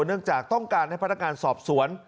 เนื่องจากต้องการให้พนักงานสอบสวน